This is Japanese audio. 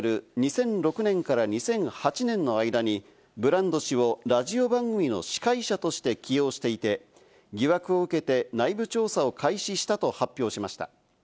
２００６年から２００８年の間にブランド氏をラジオ番組の司会者として起用していて、疑惑を受けて内部調査を開始したと話しました。